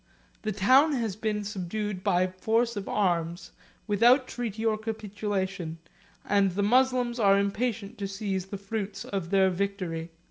The town has been subdued by force of arms, without treaty or capitulation, and the Moslems are impatient to seize the fruits of their victory."